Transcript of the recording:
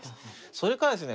それからですね